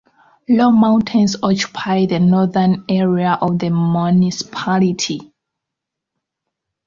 Low mountains occupy the northern area of the municipality.